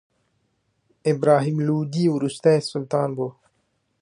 ابراهیم لودي وروستی سلطان و.